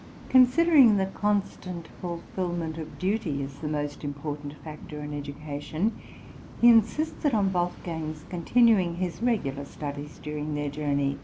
} (106) Considering the constant fulfilment of duty as the most important factor in education, he insisted on Wolfgang's continuing his regular studies during their journey.